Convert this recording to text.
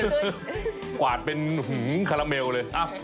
กวาดเป็นคาราเมลเลย